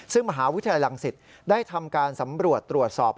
ซึ่งมหาวิทยาลัยลังศิษย์ได้ทำการสำรวจตรวจสอบ